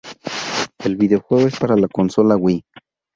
El videojuego es para la consola Wii.